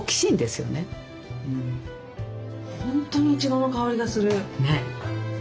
本当にいちごの香りがする。